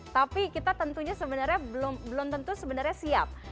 tapi kita tentunya sebenarnya belum tentu sebenarnya siap